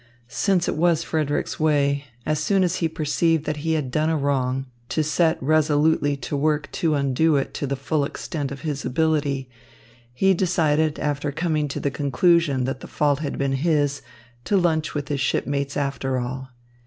Since it was Frederick's way, as soon as he perceived that he had done a wrong, to set resolutely to work to undo it to the full extent of his ability, he decided, after coming to the conclusion that the fault had been his, to lunch with his shipmates after all.